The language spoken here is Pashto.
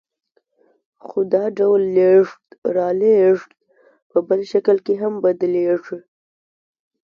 خو دا ډول لېږد رالېږد په بل شکل هم بدلېږي